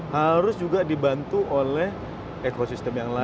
harus juga dibantu oleh ekosistem yang lain